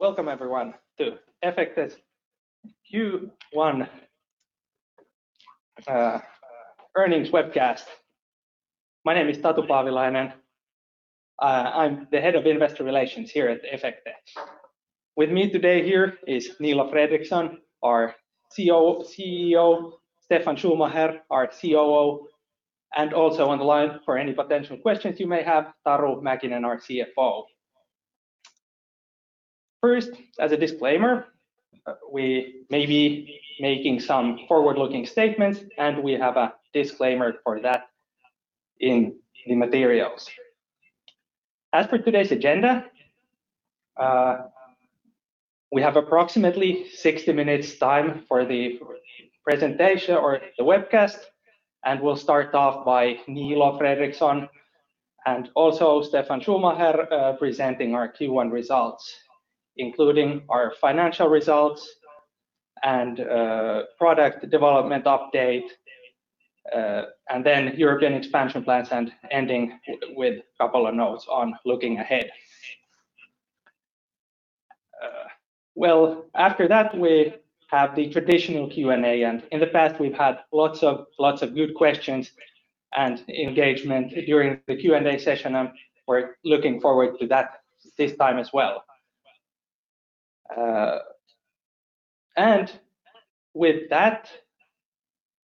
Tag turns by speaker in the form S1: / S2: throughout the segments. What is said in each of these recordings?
S1: Welcome everyone to Efecte's Q1 earnings webcast. My name is Tatu Paavilainen. I'm the Head of Investor Relations here at Efecte. With me today here is Niilo Fredrikson, our CEO, Steffan Schumacher, our COO, and also on the line for any potential questions you may have, Taru Mäkinen, our CFO. As a disclaimer, we may be making some forward-looking statements. We have a disclaimer for that in the materials. As for today's agenda, we have approximately 60 minutes time for the presentation or the webcast, and we'll start off by Niilo Fredrikson and also Steffan Schumacher presenting our Q1 results, including our financial results and product development update, and then European expansion plans and ending with a couple of notes on looking ahead. After that, we have the traditional Q&A, and in the past we've had lots of good questions and engagement during the Q&A session, and we're looking forward to that this time as well. With that,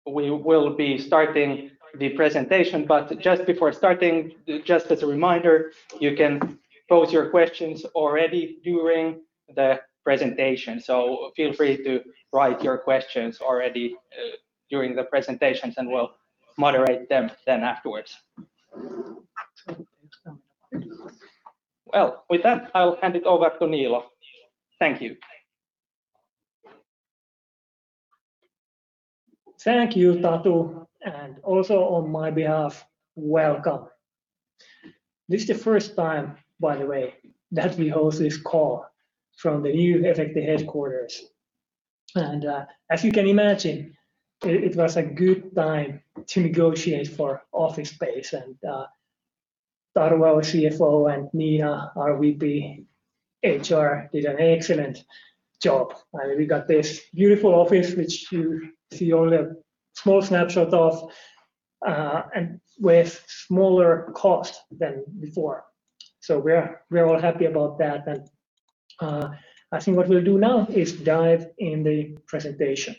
S1: we will be starting the presentation, but just before starting, just as a reminder, you can pose your questions already during the presentation. Feel free to write your questions already during the presentation, and we'll moderate them then afterwards. With that, I'll hand it over to Niilo. Thank you.
S2: Thank you, Tatu. Also on my behalf, welcome. This is the first time, by the way, that we host this call from the new Efecte headquarters. As you can imagine, it was a good time to negotiate for office space, and Taru, our CFO, and Miia, our VP HR, did an excellent job. We got this beautiful office, which you see only a small snapshot of, and with smaller cost than before. We're all happy about that. I think what we'll do now is dive in the presentation.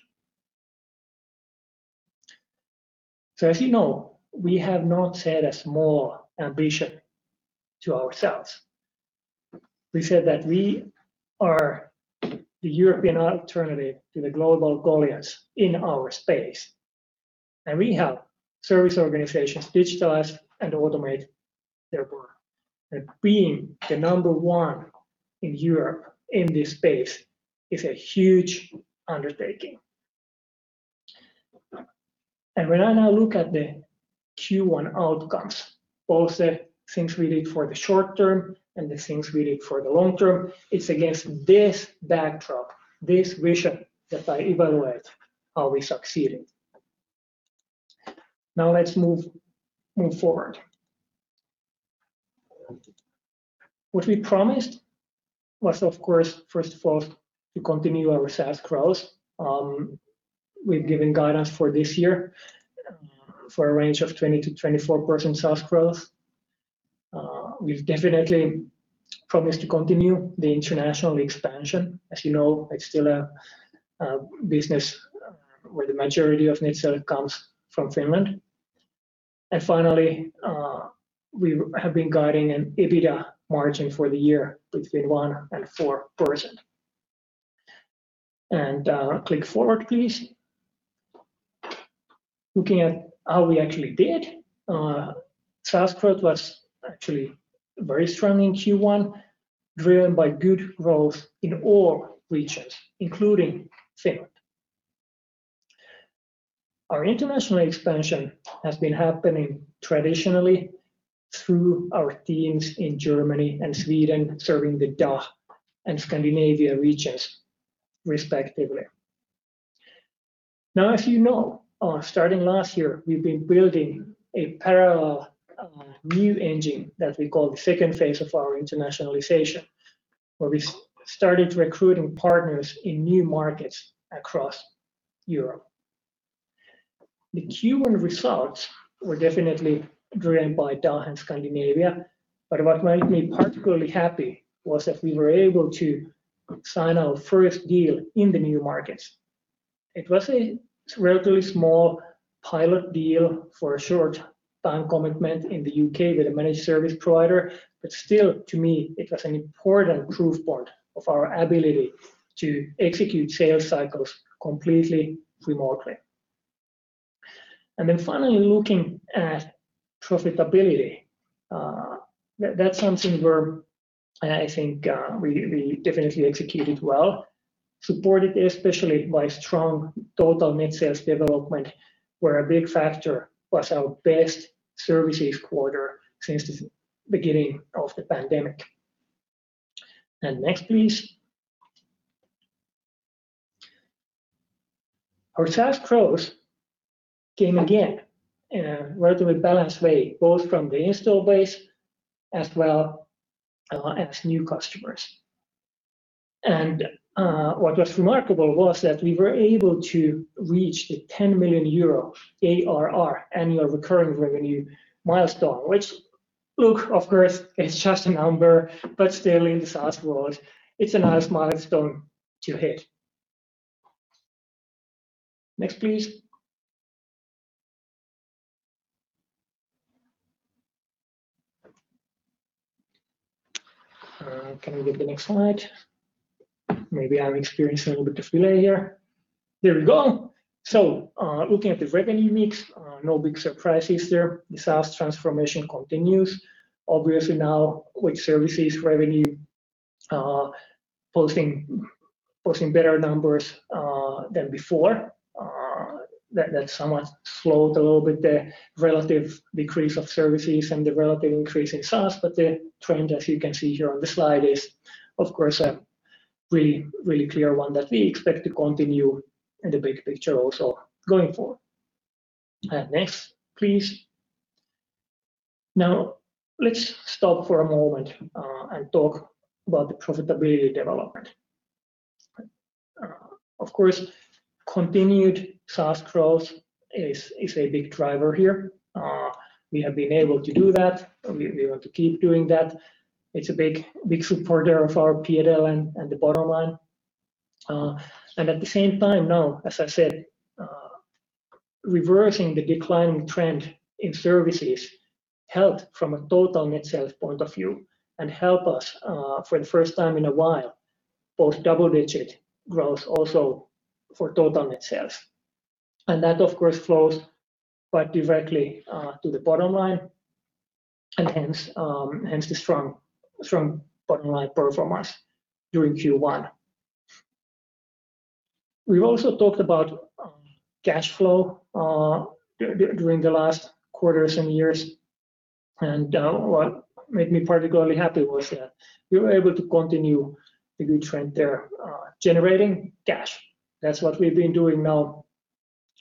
S2: As you know, we have not set a small ambition to ourselves. We said that we are the European alternative to the global goliaths in our space, and we help service organizations digitalize and automate their work. Being the number one in Europe in this space is a huge undertaking. When I now look at the Q1 outcomes, both the things we did for the short term and the things we did for the long term, it's against this backdrop, this vision, that I evaluate are we succeeding? Now let's move forward. What we promised was, of course, first of all, to continue our SaaS growth. We've given guidance for this year for a range of 20%-24% SaaS growth. We've definitely promised to continue the international expansion. As you know, it's still a business where the majority of net sale comes from Finland. Finally, we have been guiding an EBITDA margin for the year between 1% and 4%. Click forward, please. Looking at how we actually did, SaaS growth was actually very strong in Q1, driven by good growth in all regions, including Finland. Our international expansion has been happening traditionally through our teams in Germany and Sweden, serving the DACH and Scandinavia regions respectively. Now, as you know, starting last year, we've been building a parallel new engine that we call the second phase of our internationalization, where we started recruiting partners in new markets across Europe. The Q1 results were definitely driven by DACH and Scandinavia, but what made me particularly happy was that we were able to sign our first deal in the new markets. It was a relatively small pilot deal for a short-time commitment in the U.K. with a managed service provider. Still, to me, it was an important proof point of our ability to execute sales cycles completely remotely. Finally, looking at profitability. That's something where I think we definitely executed well, supported especially by strong total net sales development, where a big factor was our best services quarter since the beginning of the pandemic. Next, please. Our SaaS growth came again in a relatively balanced way, both from the install base as well as new customers. What was remarkable was that we were able to reach the 10 million euro ARR, annual recurring revenue, milestone, which look, of course, it's just a number, but still in the SaaS world, it's a nice milestone to hit. Next, please. Can we get the next slide? Maybe I'm experiencing a little bit of delay here. There we go. Looking at the revenue mix, no big surprises there. The SaaS transformation continues. Obviously now, with services revenue posting better numbers than before, that somewhat slowed a little bit the relative decrease of services and the relative increase in SaaS. The trend, as you can see here on the slide, is of course a really clear one that we expect to continue in the big picture also going forward. Next, please. Now, let's stop for a moment and talk about the profitability development. Of course, continued SaaS growth is a big driver here. We have been able to do that. We want to keep doing that. It's a big supporter of our P&L and the bottom line. At the same time now, as I said, reversing the declining trend in services helped from a total net sales point of view and help us, for the first time in a while, post double-digit growth also for total net sales. That, of course, flows quite directly to the bottom line, and hence the strong bottom-line performance during Q1. We've also talked about cash flow during the last quarters and years, and what made me particularly happy was that we were able to continue the good trend there, generating cash. That's what we've been doing now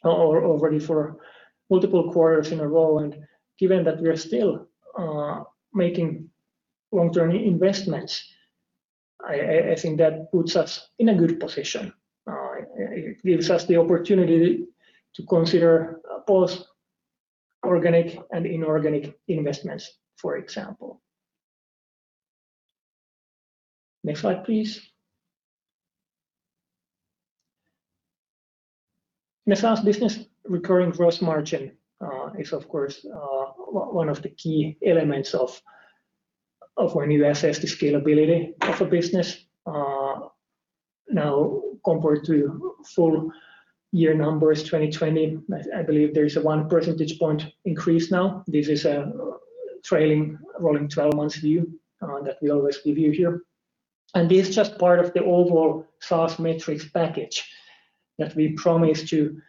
S2: already for multiple quarters in a row, and given that we are still making long-term investments, I think that puts us in a good position. It gives us the opportunity to consider both organic and inorganic investments, for example. Next slide, please. The SaaS business recurring gross margin is, of course, one of the key elements of when you assess the scalability of a business. Compared to full-year numbers 2020, I believe there is a one percentage point increase now. This is a rolling 12 months view that we always give you here. This is just part of the overall SaaS metrics package that we promised to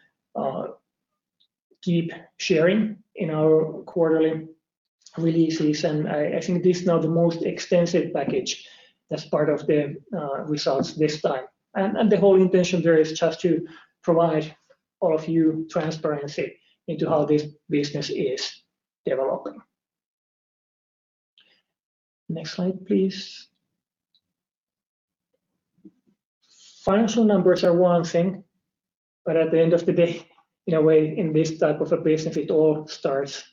S2: keep sharing in our quarterly releases, and I think this is now the most extensive package that's part of the results this time. The whole intention there is just to provide all of you transparency into how this business is developing. Next slide, please. Financial numbers are one thing, but at the end of the day, in a way, in this type of a business, it all starts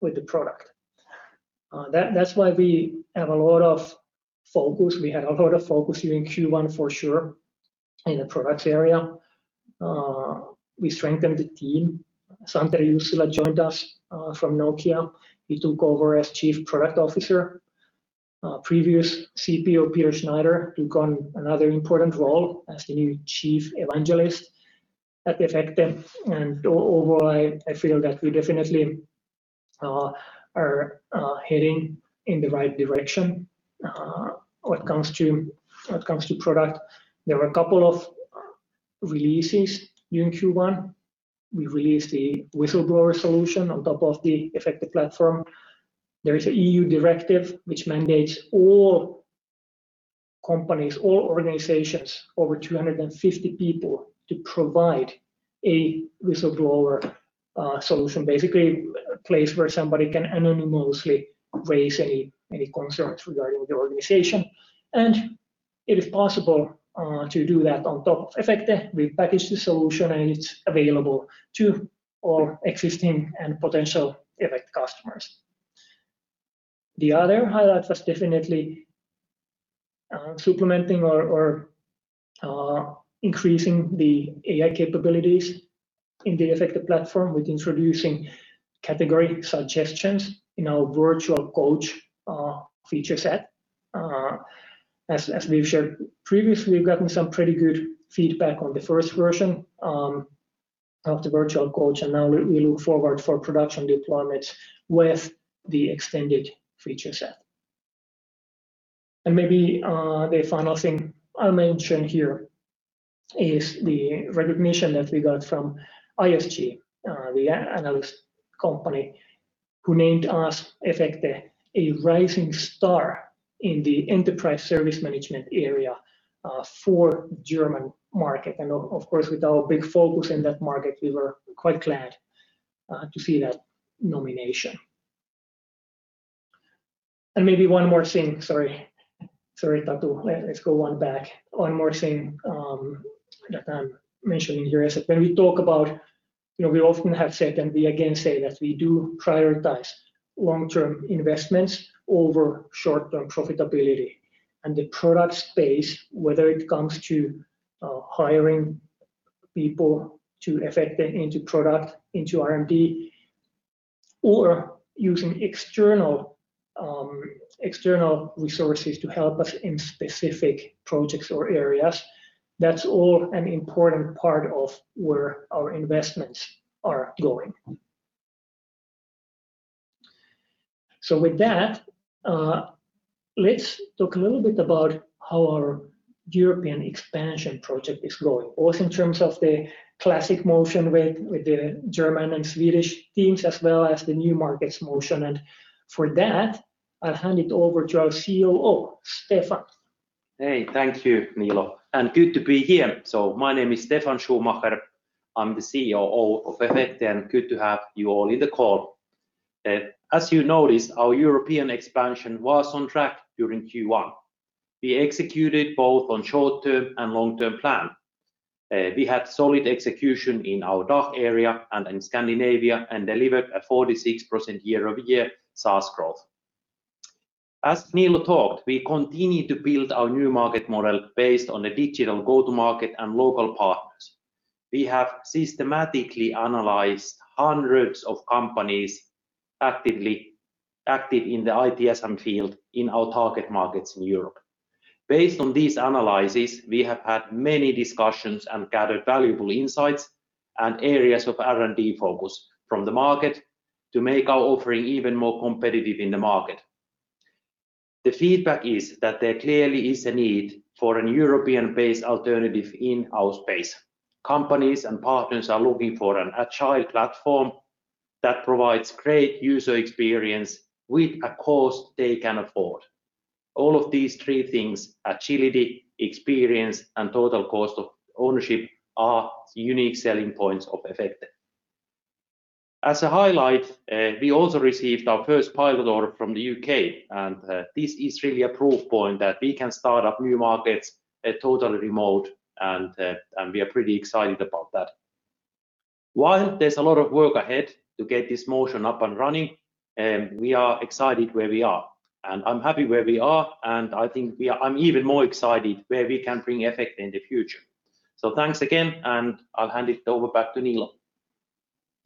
S2: with the product. That's why we have a lot of focus. We had a lot of focus here in Q1 for sure in the product area. We strengthened the team. Santeri Jussila joined us from Nokia. He took over as Chief Product Officer. Previous CPO, Peter Schneider, took on another important role as the new Chief Evangelist at Efecte, and overall, I feel that we definitely are heading in the right direction when it comes to product. There were a couple of releases during Q1. We released the whistleblower solution on top of the Efecte Platform. There is an EU Whistleblowing Directive which mandates all companies, all organizations over 250 people to provide a whistleblower solution, basically a place where somebody can anonymously raise any concerns regarding the organization. It is possible to do that on top of Efecte. We packaged the solution, and it's available to all existing and potential Efecte customers. The other highlight was definitely supplementing or increasing the AI capabilities in the Efecte Platform with introducing category suggestions in our Virtual Coach feature set. As we've shared previously, we've gotten some pretty good feedback on the first version of the Virtual Coach, now we look forward for production deployments with the extended feature set. Maybe the final thing I'll mention here is the recognition that we got from ISG, the analyst company, who named us Efecte, a Rising Star in the enterprise service management area for German market. Of course, with our big focus in that market, we were quite glad to see that nomination. Maybe one more thing, sorry. Sorry, Tatu. Let's go one back. One more thing that I'm mentioning here is that when we talk about, we often have said, and we again say that we do prioritize long-term investments over short-term profitability. The product space, whether it comes to hiring people to Efecte into product, into R&D, or using external resources to help us in specific projects or areas, that's all an important part of where our investments are going. With that, let's talk a little bit about how our European expansion project is going, both in terms of the classic motion with the German and Swedish teams, as well as the new markets motion. For that, I'll hand it over to our COO, Steffan.
S3: Hey. Thank you, Niilo. Good to be here. My name is Steffan Schumacher. I'm the COO of Efecte, and good to have you all in the call. As you noticed, our European expansion was on track during Q1. We executed both on short-term and long-term plan. We had solid execution in our DACH area and in Scandinavia, and delivered a 46% year-over-year SaaS growth. As Niilo talked, we continue to build our new market model based on a digital go-to-market and local partners. We have systematically analyzed hundreds of companies active in the ITSM field in our target markets in Europe. Based on these analyses, we have had many discussions and gathered valuable insights and areas of R&D focus from the market to make our offering even more competitive in the market. The feedback is that there clearly is a need for an European-based alternative in our space. Companies and partners are looking for an agile platform that provides great user experience with a cost they can afford. All of these three things, agility, experience, and total cost of ownership, are unique selling points of Efecte. As a highlight, we also received our first pilot order from the U.K., and this is really a proof point that we can start up new markets totally remote, and we are pretty excited about that. While there's a lot of work ahead to get this motion up and running, we are excited where we are. I'm happy where we are, and I think I'm even more excited where we can bring Efecte in the future. Thanks again, and I'll hand it over back to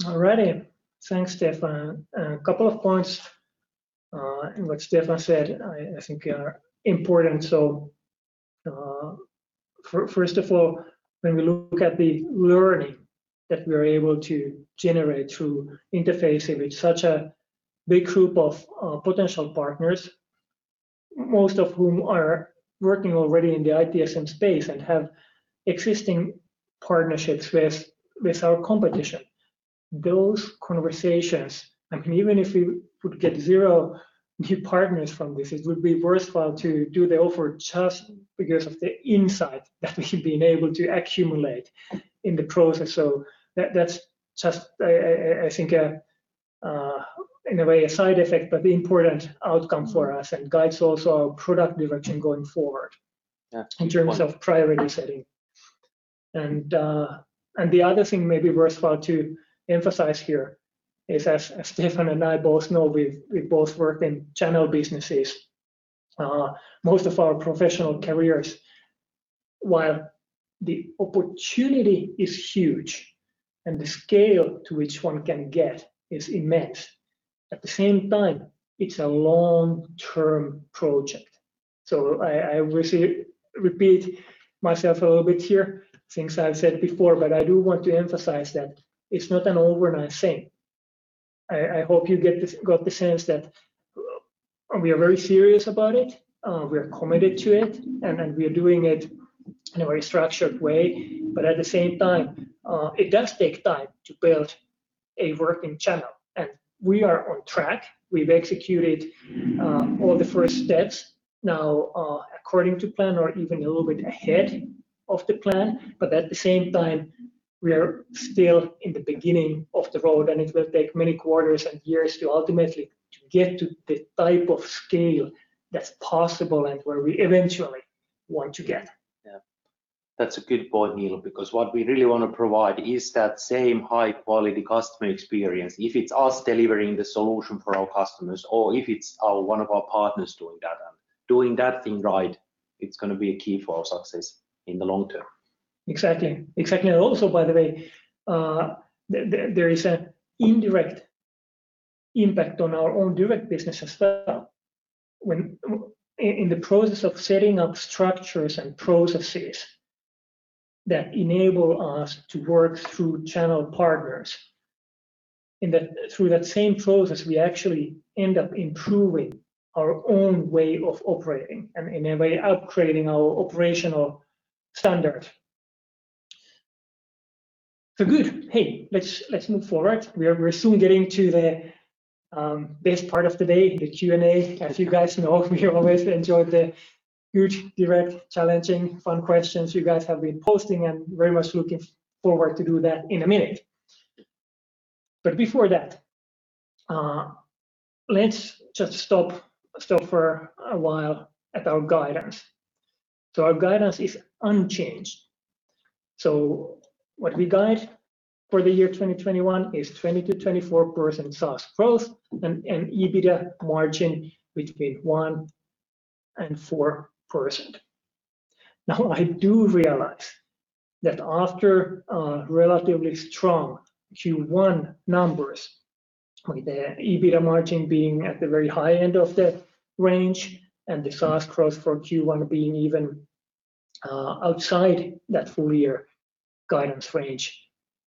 S3: Niilo.
S2: All righty. Thanks, Steffan. A couple of points in what Steffan said I think are important. First of all, when we look at the learning that we're able to generate through interfacing with such a big group of potential partners, most of whom are working already in the ITSM space and have existing partnerships with our competition. Those conversations, and even if we would get zero new partners from this, it would be worthwhile to do the offer just because of the insight that we've been able to accumulate in the process. That's just, I think in a way, a side effect, but the important outcome for us and guides also our product direction going forward-
S3: Yeah.
S2: -in terms of priority setting. The other thing maybe worthwhile to emphasize here is, as Steffan and I both know, we've both worked in channel businesses most of our professional careers. While the opportunity is huge and the scale to which one can get is immense, at the same time, it's a long-term project. I will repeat myself a little bit here, things I've said before, but I do want to emphasize that it's not an overnight thing. I hope you got the sense that we are very serious about it, we are committed to it, and we are doing it in a very structured way. At the same time, it does take time to build a working channel. We are on track. We've executed all the first steps now according to plan or even a little bit ahead of the plan. At the same time, we are still in the beginning of the road, and it will take many quarters and years to ultimately get to the type of scale that's possible and where we eventually want to get.
S3: Yeah. That's a good point, Niilo, because what we really want to provide is that same high-quality customer experience, if it's us delivering the solution for our customers, or if it's one of our partners doing that. Doing that thing right, it's going to be a key for our success in the long term.
S2: Exactly. Exactly. Also, by the way, there is an indirect impact on our own direct business as well. In the process of setting up structures and processes that enable us to work through channel partners, through that same process, we actually end up improving our own way of operating and in a way upgrading our operational standard. Good. Hey, let's move forward. We're soon getting to the best part of the day, the Q&A. You guys know, we always enjoy the huge, direct, challenging, fun questions you guys have been posting, and very much looking forward to do that in a minute. Before that, let's just stop for a while at our guidance. Our guidance is unchanged. What we guide for the year 2021 is 20%-24% SaaS growth and EBITDA margin between 1% and 4%. I do realize that after relatively strong Q1 numbers, with the EBITDA margin being at the very high end of the range and the SaaS growth for Q1 being even outside that full-year guidance range,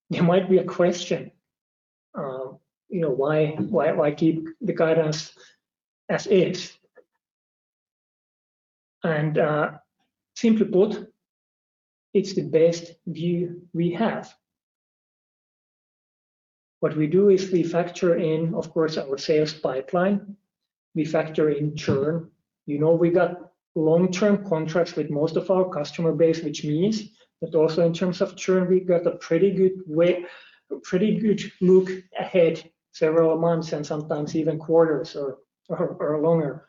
S2: there might be a question. Why keep the guidance as is? Simply put, it's the best view we have. What we do is we factor in, of course, our sales pipeline. We factor in churn. We got long-term contracts with most of our customer base, which means that also in terms of churn, we got a pretty good look ahead several months and sometimes even quarters or longer.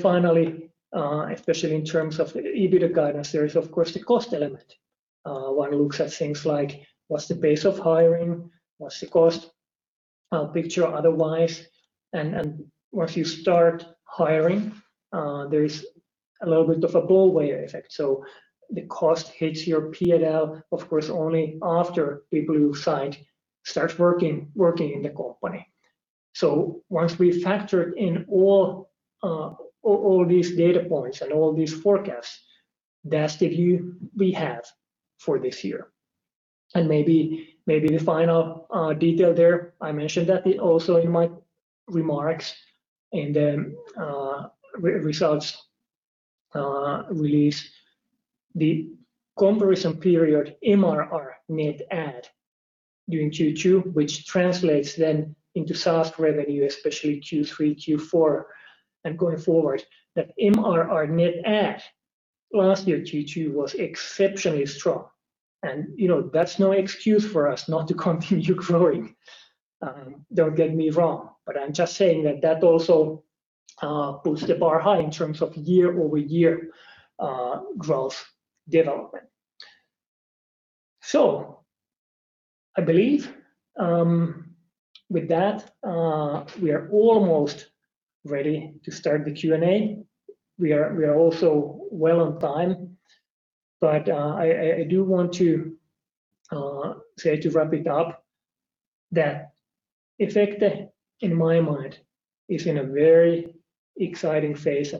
S2: Finally, especially in terms of EBITDA guidance, there is, of course, the cost element. One looks at things like what's the pace of hiring, what's the cost picture otherwise? Once you start hiring, there is a little bit of a blowaway effect. The cost hits your P&L, of course, only after people you signed start working in the company. Once we factor in all these data points and all these forecasts, that's the view we have for this year. Maybe the final detail there, I mentioned that also in my remarks in the results release. The comparison period MRR net add during Q2, which translates then into SaaS revenue, especially Q3, Q4, and going forward, that MRR net add last year, Q2, was exceptionally strong. That's no excuse for us not to continue growing, don't get me wrong. I'm just saying that that also puts the bar high in terms of year-over-year growth development. I believe with that, we are almost ready to start the Q&A. We are also well on time. I do want to say to wrap it up that Efecte, in my mind, is in a very exciting phase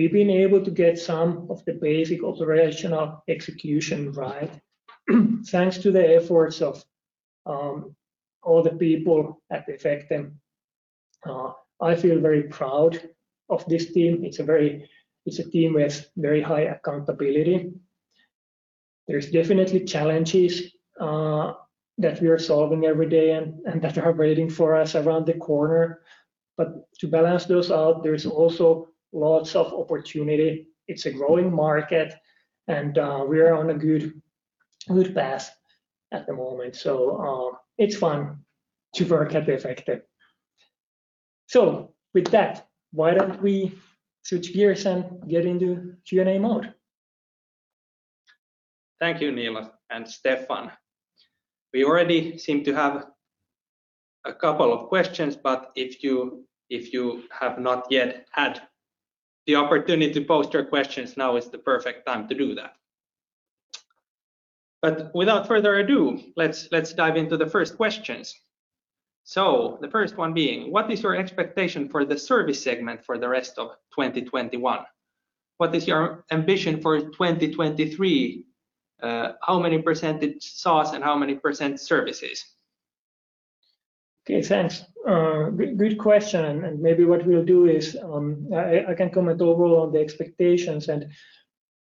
S2: at the moment. We've been able to get some of the basic operational execution right thanks to the efforts of all the people at Efecte. I feel very proud of this team. It's a team with very high accountability. There's definitely challenges that we are solving every day and that are waiting for us around the corner. To balance those out, there's also lots of opportunity. It's a growing market, and we are on a good path at the moment. It's fun to work at Efecte. With that, why don't we switch gears and get into Q&A mode?
S1: Thank you, Niilo and Steffan. We already seem to have a couple of questions, but if you have not yet had the opportunity to post your questions, now is the perfect time to do that. Without further ado, let's dive into the first questions. The first one being, what is your expectation for the service segment for the rest of 2021? What is your ambition for 2023? How many percent SaaS and how many percent services?
S2: Okay, thanks. Good question. Maybe what we'll do is, I can comment overall on the expectations, and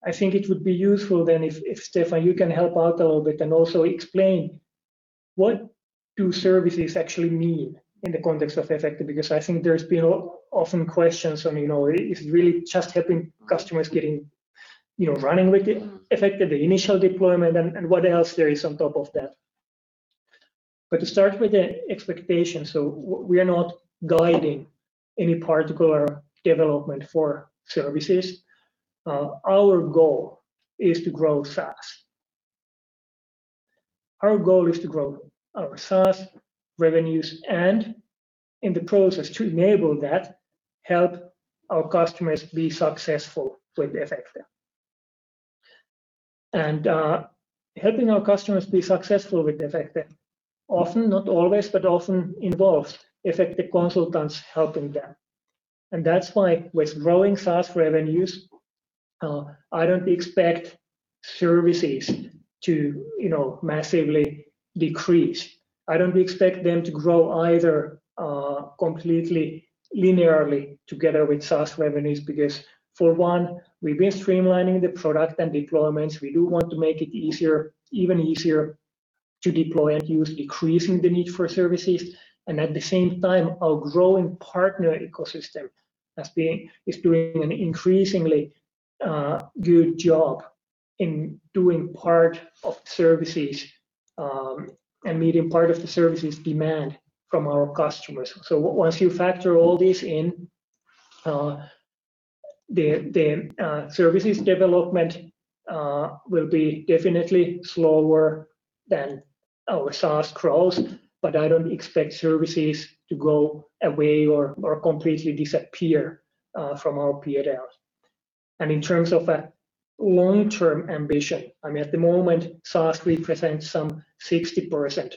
S2: I think it would be useful then if, Steffan, you can help out a little bit and also explain what do services actually mean in the context of Efecte? Because I think there's been often questions on, is it really just helping customers getting running with the Efecte, the initial deployment, and what else there is on top of that. To start with the expectations, we are not guiding any particular development for services. Our goal is to grow SaaS. Our goal is to grow our SaaS revenues, In the process to enable that, help our customers be successful with Efecte. Helping our customers be successful with Efecte, often, not always, but often involves Efecte consultants helping them. That's why with growing SaaS revenues, I don't expect services to massively decrease. I don't expect them to grow either completely linearly together with SaaS revenues because for one, we've been streamlining the product and deployments. We do want to make it even easier to deploy and use, decreasing the need for services, and at the same time, our growing partner ecosystem is doing an increasingly good job in doing part of services, and meeting part of the services demand from our customers. Once you factor all this in, the services development will be definitely slower than our SaaS growth, but I don't expect services to go away or completely disappear from our P&L. In terms of a long-term ambition, at the moment, SaaS represents some 60%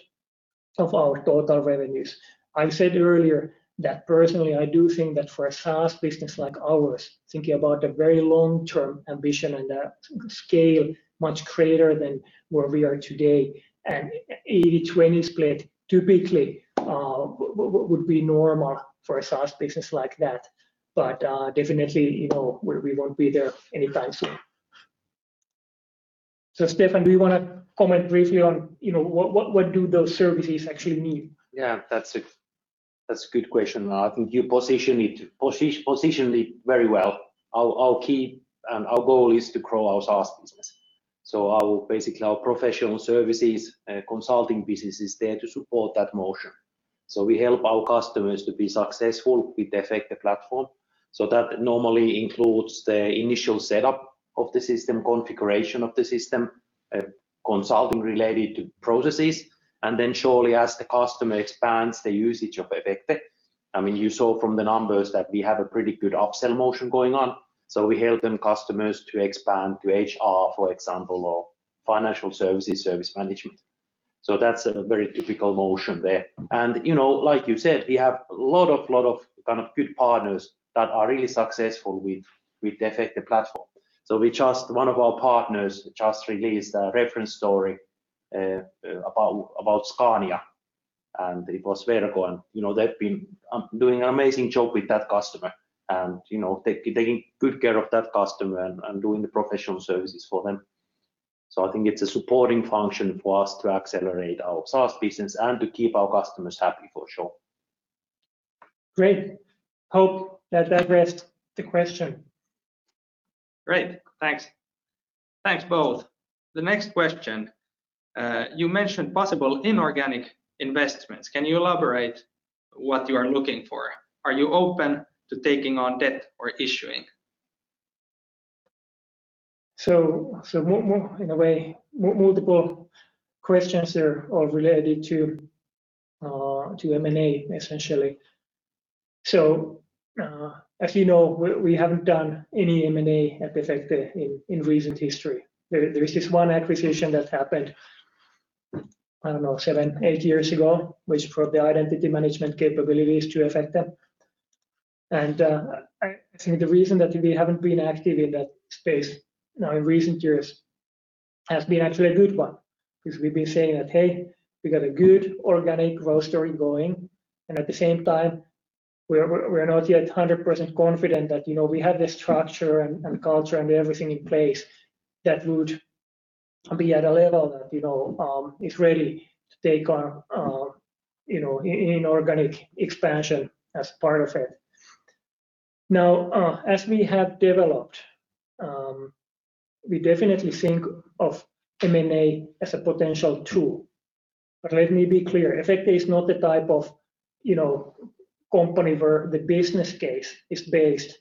S2: of our total revenues. I said earlier that personally, I do think that for a SaaS business like ours, thinking about the very long-term ambition and scale much greater than where we are today, an 80/20 split typically would be normal for a SaaS business like that. Definitely, we won't be there anytime soon. Steffan, do you want to comment briefly on what do those services actually mean?
S3: Yeah. That's a good question. I think you positioned it very well. Our key and our goal is to grow our SaaS business. Basically, our professional services consulting business is there to support that motion. We help our customers to be successful with the Efecte Platform. That normally includes the initial setup of the system, configuration of the system, consulting related to processes, and then surely as the customer expands the usage of Efecte, you saw from the numbers that we have a pretty good upsell motion going on. We help them, customers, to expand to HR, for example, or financial services, service management. That's a very typical motion there. Like you said, we have lot of good partners that are really successful with the Efecte Platform. One of our partners just released a reference story about Scania, and it was Verco. They've been doing an amazing job with that customer, and taking good care of that customer and doing the professional services for them. I think it's a supporting function for us to accelerate our SaaS business and to keep our customers happy for sure.
S2: Great. Hope that that addressed the question.
S1: Great. Thanks both. The next question, you mentioned possible inorganic investments. Can you elaborate what you are looking for? Are you open to taking on debt or issuing?
S2: In a way, multiple questions there all related to M&A essentially. As you know, we haven't done any M&A at Efecte in recent history. There is this one acquisition that happened, I don't know, seven, eight years ago, which brought the Identity Management capabilities to Efecte. I think the reason that we haven't been active in that space in recent years has been actually a good one because we've been saying that, "Hey, we got a good organic growth story going." At the same time, we're not yet 100% confident that we have the structure and culture and everything in place that would be at a level that is ready to take on inorganic expansion as part of it. As we have developed, we definitely think of M&A as a potential tool. Let me be clear, Efecte is not the type of company where the business case is based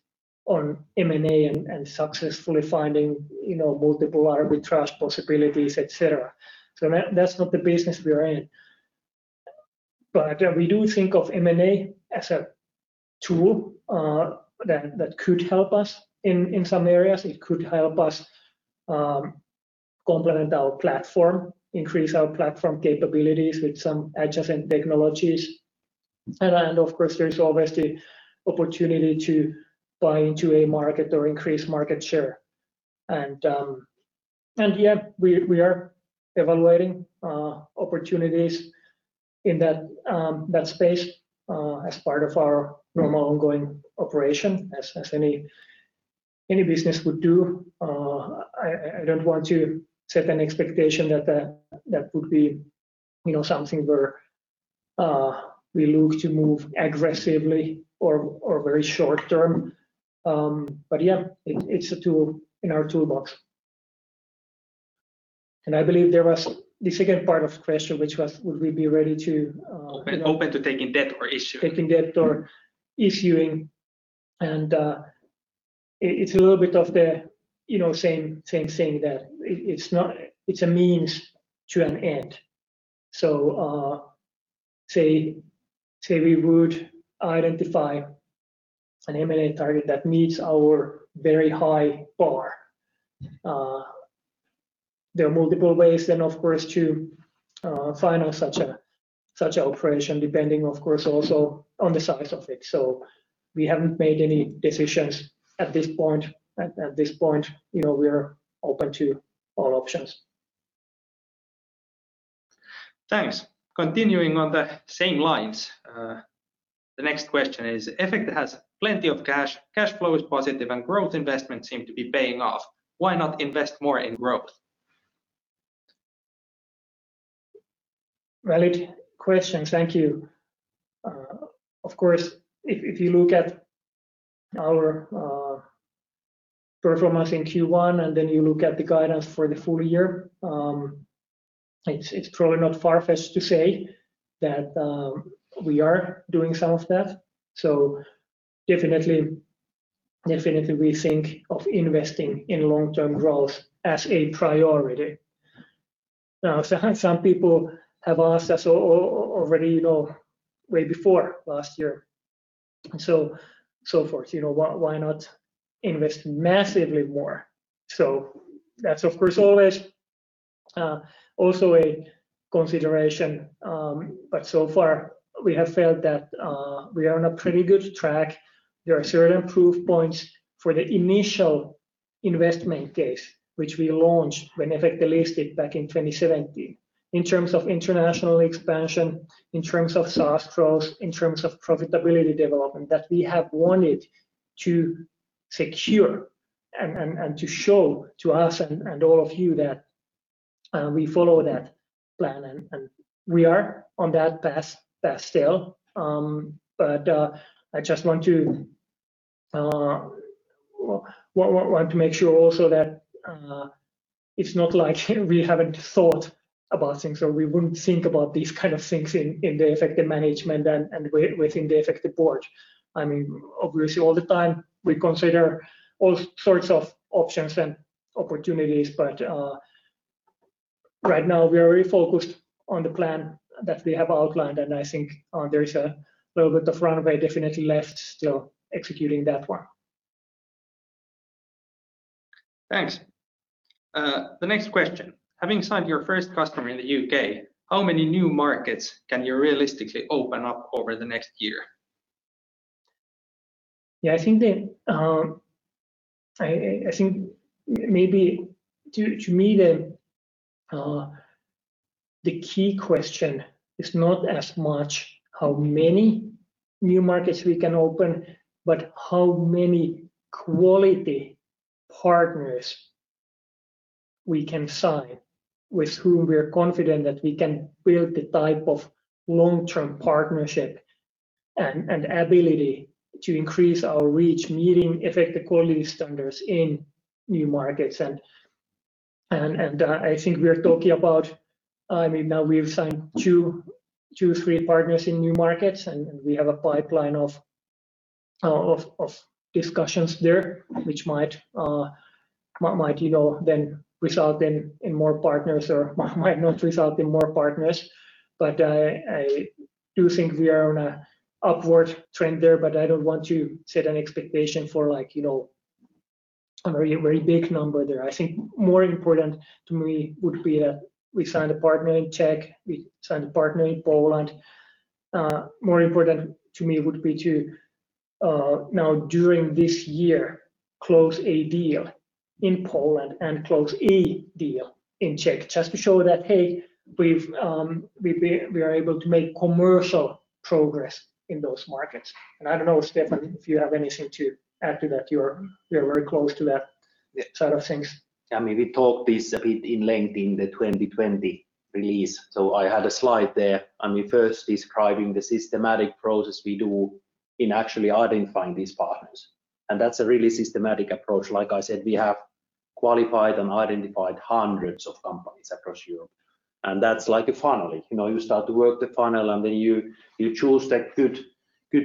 S2: on M&A and successfully finding multiple arbitrage possibilities, et cetera. That's not the business we are in. We do think of M&A as a tool that could help us in some areas. It could help us complement our platform, increase our platform capabilities with some adjacent technologies. Of course, there's always the opportunity to buy into a market or increase market share. Yeah, we are evaluating opportunities in that space as part of our normal ongoing operation as any business would do. I don't want to set an expectation that that would be something where we look to move aggressively or very short term. Yeah, it's a tool in our toolbox. I believe there was the second part of question, which was would we be ready to-
S1: Open to taking debt or issuing.
S2: -taking debt or issuing and it's a little bit of the same that it's a means to an end. Say we would identify an M&A target that meets our very high bar. There are multiple ways, of course, to finance such a such an operation, depending, of course, also on the size of it. We haven't made any decisions at this point. At this point, we are open to all options.
S1: Thanks. Continuing on the same lines, the next question is, Efecte has plenty of cash flow is positive, and growth investments seem to be paying off. Why not invest more in growth?
S2: Valid question. Thank you. If you look at our performance in Q1, and then you look at the guidance for the full year, it's probably not far-fetched to say that we are doing some of that. Definitely, we think of investing in long-term growth as a priority. Some people have asked us already way before last year, so forth, why not invest massively more? That's of course always also a consideration. So far, we have felt that we are on a pretty good track. There are certain proof points for the initial investment case, which we launched when Efecte listed back in 2017. In terms of international expansion, in terms of SaaS growth, in terms of profitability development, that we have wanted to secure and to show to us and all of you that we follow that plan. We are on that path still. I just want to make sure also that it's not like we haven't thought about things or we wouldn't think about these kind of things in the Efecte management and within the Efecte board. Obviously, all the time we consider all sorts of options and opportunities, but right now we are very focused on the plan that we have outlined, and I think there is a little bit of runway definitely left still executing that one.
S1: Thanks. The next question: Having signed your first customer in the U.K., how many new markets can you realistically open up over the next year?
S2: Yeah, I think maybe to me, the key question is not as much how many new markets we can open, but how many quality partners we can sign with whom we are confident that we can build the type of long-term partnership and ability to increase our reach, meeting Efecte quality standards in new markets. I think we are talking about Now we've signed two, three partners in new markets, and we have a pipeline of discussions there which might then result in more partners or might not result in more partners. I do think we are on a upward trend there, but I don't want to set an expectation for a very, very big number there. I think more important to me would be that we signed a partner in Czech, we signed a partner in Poland. More important to me would be to, now during this year, close a deal in Poland and close a deal in Czech just to show that, hey, we are able to make commercial progress in those markets. I don't know, Steffan, if you have anything to add to that. You're very close to that side of things.
S3: Yeah, we talked this a bit in length in the 2020 release. I had a slide there, and we first describing the systematic process we do in actually identifying these partners, and that's a really systematic approach. Like I said, we have qualified and identified hundreds of companies across Europe, and that's like a funnel. You start to work the funnel, and then you choose the good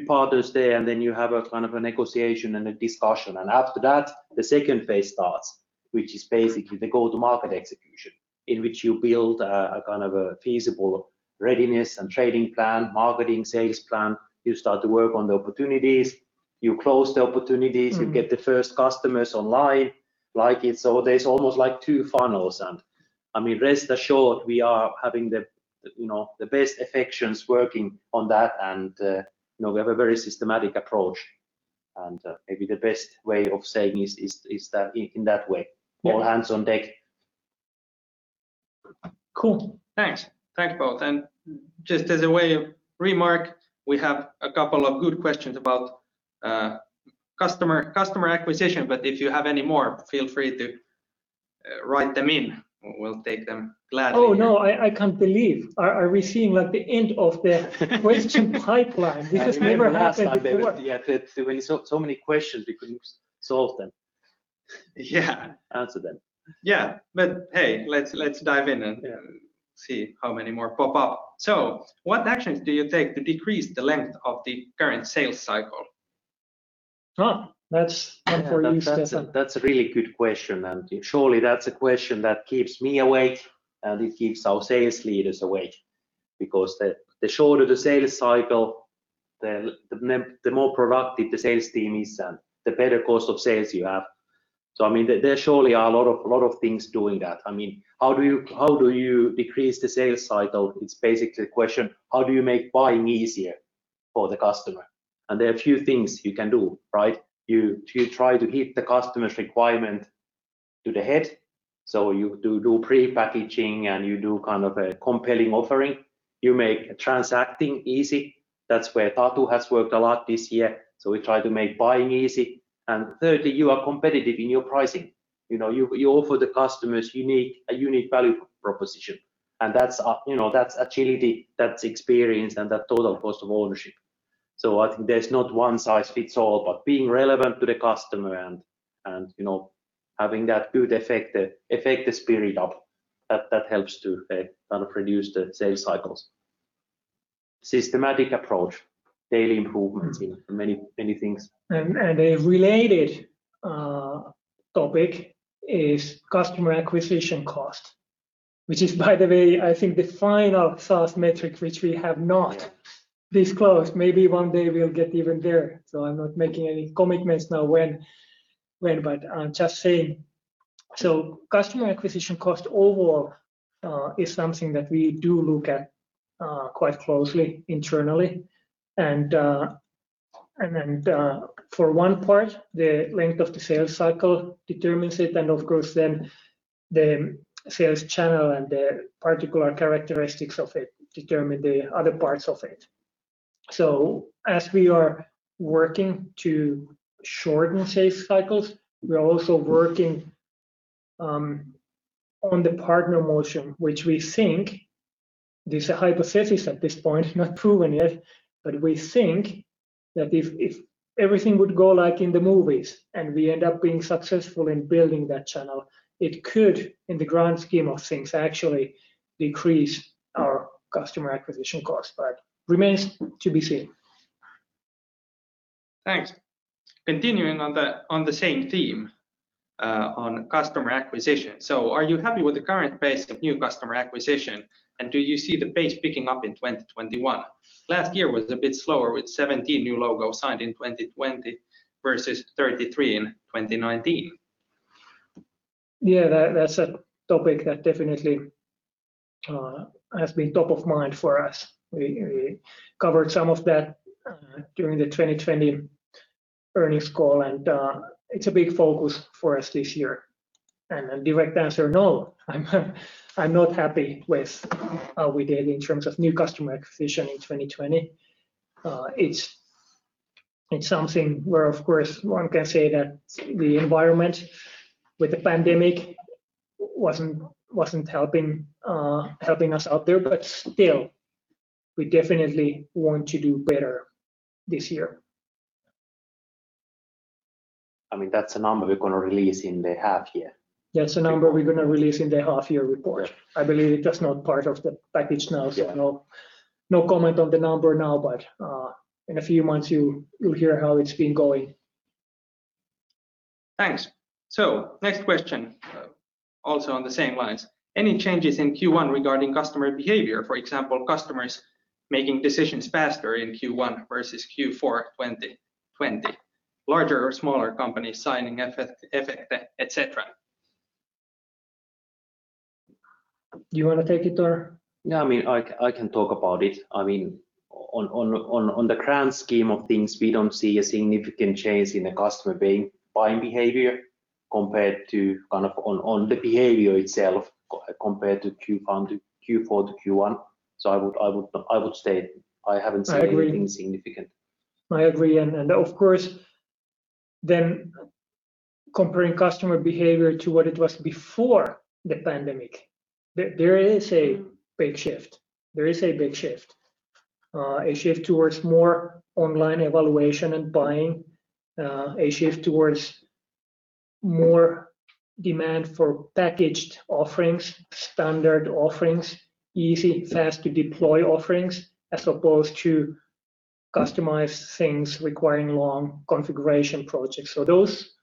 S3: partners there, and then you have a kind of a negotiation and a discussion. After that, the second phase starts, which is basically the go-to-market execution, in which you build a kind of a feasible readiness and trading plan, marketing, sales plan. You start to work on the opportunities, you close the opportunities, you get the first customers online, like it. There's almost two funnels. Rest assured, we are having the best Efectians working on that, and we have a very systematic approach. Maybe the best way of saying is that in that way, all hands on deck.
S1: Cool. Thanks. Thanks, both. Just as a way of remark, we have a couple of good questions about customer acquisition, but if you have any more, feel free to write them in. We'll take them gladly here.
S2: Oh, no, I can't believe. Are we seeing the end of the question pipeline? This has never happened before.
S3: Yeah. There were so many questions we couldn't solve them.
S1: Yeah.
S3: Answer them.
S1: Yeah. Hey, let's dive in.
S3: Yeah
S1: See how many more pop up. What actions do you take to decrease the length of the current sales cycle?
S2: Oh, that's one for you, Steffan.
S3: That's a really good question. Surely that's a question that keeps me awake, and it keeps our sales leaders awake because the shorter the sales cycle, the more productive the sales team is and the better cost of sales you have. There surely are a lot of things doing that. How do you decrease the sales cycle? It's basically a question, how do you make buying easier for the customer? There are a few things you can do, right? You try to hit the customer's requirement to the head. You do pre-packaging, and you do a compelling offering. You make transacting easy. That's where Tatu has worked a lot this year, we try to make buying easy. Thirdly, you are competitive in your pricing. You offer the customers a unique value proposition, and that's agility, that's experience, and that total cost of ownership. I think there's not one-size-fits-all, but being relevant to the customer and having that good Efecte spirit up, that helps to kind of reduce the sales cycles. Systematic approach, daily improvements in many things.
S2: A related topic is customer acquisition cost, which is, by the way, I think the final source metric which we have not disclosed. Maybe one day we'll get even there. I'm not making any commitments now when, but I'm just saying. Customer acquisition cost overall is something that we do look at quite closely internally, and then for one part, the length of the sales cycle determines it, and of course, then the sales channel and the particular characteristics of it determine the other parts of it. As we are working to shorten sales cycles, we are also working on the partner motion, which we think, this is a hypothesis at this point, not proven yet, but we think that if everything would go like in the movies and we end up being successful in building that channel, it could, in the grand scheme of things, actually decrease our customer acquisition cost. Remains to be seen.
S1: Thanks. Continuing on the same theme, on customer acquisition. Are you happy with the current pace of new customer acquisition, and do you see the pace picking up in 2021? Last year was a bit slower with 17 new logos signed in 2020 versus 33 in 2019.
S2: Yeah, that's a topic that definitely has been top of mind for us. We covered some of that during the 2020 earnings call, and it's a big focus for us this year. A direct answer, no, I'm not happy with how we did in terms of new customer acquisition in 2020. It's something where, of course, one can say that the environment with the pandemic wasn't helping us out there, but still, we definitely want to do better this year.
S3: That's a number we're going to release in the half year.
S2: That's a number we're going to release in the half year report.
S3: Yeah.
S2: I believe that's not part of the package now.
S3: Yeah.
S2: No comment on the number now, but in a few months you'll hear how it's been going.
S1: Thanks. Next question, also on the same lines. Any changes in Q1 regarding customer behavior? For example, customers making decisions faster in Q1 versus Q4 2020, larger or smaller companies signing Efecte, et cetera.
S2: You want to take it or?
S3: Yeah, I can talk about it. On the grand scheme of things, we don't see a significant change in the customer buying behavior compared to, on the behavior itself compared to Q4 to Q1. I would state I haven't seen-
S2: I agree.
S3: -anything significant.
S2: I agree, of course, comparing customer behavior to what it was before the pandemic, there is a big shift. There is a big shift. A shift towards more online evaluation and buying, a shift towards more demand for packaged offerings, standard offerings, easy, fast to deploy offerings, as opposed to customized things requiring long configuration projects. Those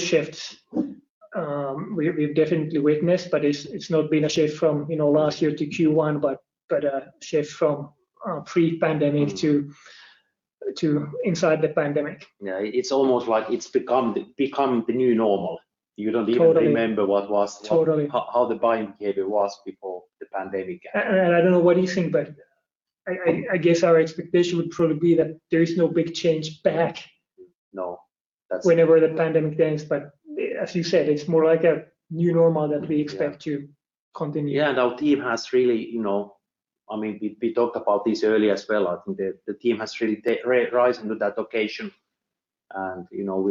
S2: shifts we've definitely witnessed, but it's not been a shift from last year to Q1, but a shift from pre-pandemic to inside the pandemic.
S3: Yeah. It's almost like it's become the new normal. You don't even-
S2: Totally.
S3: -remember how the buying behavior was before the pandemic.
S2: I don't know what you think, but I guess our expectation would probably be that there is no big change.
S3: No.
S2: Whenever the pandemic ends, but as you said, it's more like a new normal that we expect to continue.
S3: Yeah, our team has really, we talked about this earlier as well, I think the team has really risen to that occasion.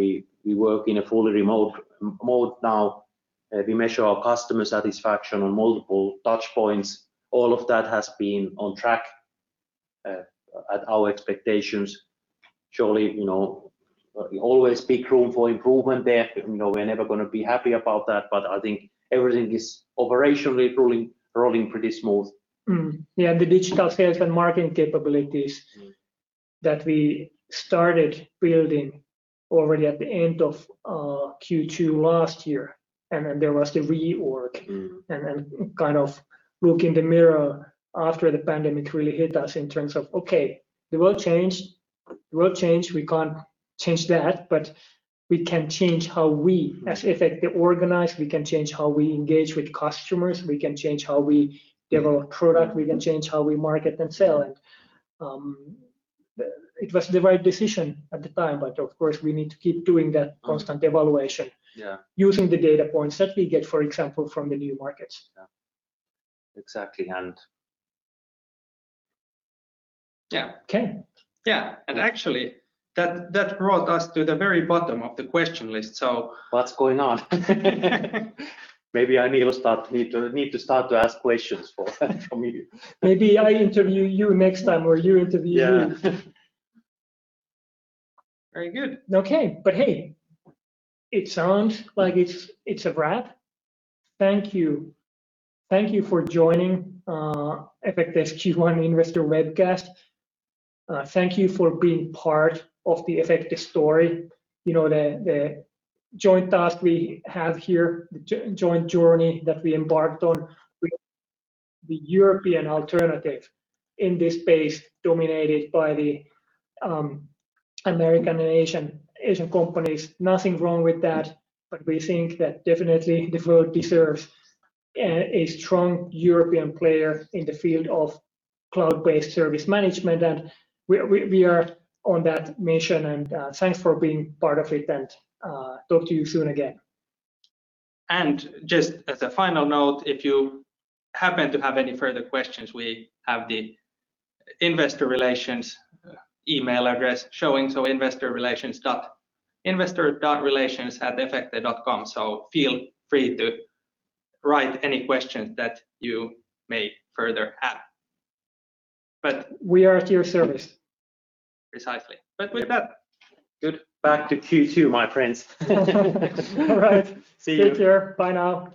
S3: We work in a fully remote mode now. We measure our customer satisfaction on multiple touchpoints. All of that has been on track at our expectations. Surely, always big room for improvement there. We're never going to be happy about that, but I think everything is operationally rolling pretty smooth.
S2: Yeah, the digital sales and marketing capabilities that we started building already at the end of Q2 last year. Then there was the reorg. Then kind of look in the mirror after the pandemic really hit us in terms of, okay, the world changed. The world changed. We can't change that, but we can change how we, as Efecte, organize, we can change how we engage with customers. We can change how we develop product. We can change how we market and sell. It was the right decision at the time. Of course, we need to keep doing that constant evaluation-
S1: Yeah.
S2: -using the data points that we get, for example, from the new markets.
S1: Yeah. Exactly.
S2: Yeah.
S1: Okay.
S2: Yeah. Actually, that brought us to the very bottom of the question list.
S1: What's going on? Maybe I need to start to ask questions for a change from you.
S2: Maybe I interview you next time, or you interview me.
S1: Yeah. Very good.
S2: Okay. Hey, it sounds like it's a wrap. Thank you. Thank you for joining Efecte's Q1 investor webcast. Thank you for being part of the Efecte story, the joint task we have here, the joint journey that we embarked on with the European alternative in this space dominated by the American and Asian companies. Nothing wrong with that, we think that definitely the world deserves a strong European player in the field of cloud-based service management, we are on that mission, thanks for being part of it and talk to you soon again.
S1: Just as a final note, if you happen to have any further questions, we have the Investor Relations email address showing, so investor.relations@efecte.com. Feel free to write any questions that you may further have.
S2: We are at your service.
S1: Precisely.
S2: Good.
S1: Back to Q2, my friends.
S2: All right.
S1: See you.
S2: Take care. Bye now.